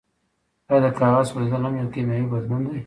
ایا د کاغذ سوځیدل هم یو کیمیاوي بدلون دی